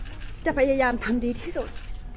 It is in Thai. แต่ว่าสามีด้วยคือเราอยู่บ้านเดิมแต่ว่าสามีด้วยคือเราอยู่บ้านเดิม